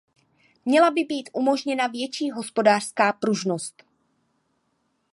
Měla by být umožněna větší hospodářská pružnost.